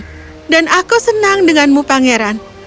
aku menikahkan rupanya denganmu pangeran